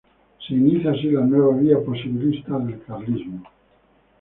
Se iniciaba así la nueva vía "posibilista" del carlismo.